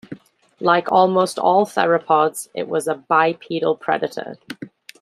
Like almost all theropods, it was a bipedal predator.